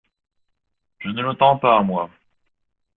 Je ne l’entends pas, moi.